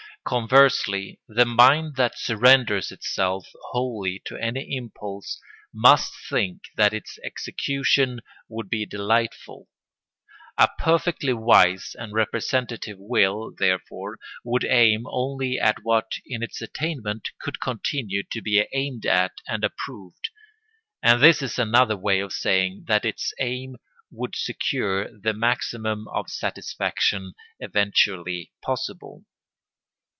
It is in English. Conversely, the mind that surrenders itself wholly to any impulse must think that its execution would be delightful. A perfectly wise and representative will, therefore, would aim only at what, in its attainment, could continue to be aimed at and approved; and this is another way of saying that its aim would secure the maximum of satisfaction eventually possible.